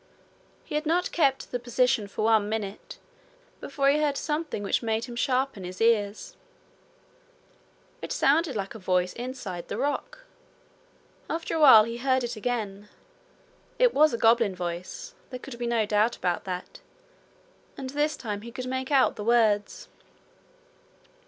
He had not kept the position for one minute before he heard something which made him sharpen his ears. It sounded like a voice inside the rock. After a while he heard it again. It was a goblin voice there could be no doubt about that and this time he could make out the words.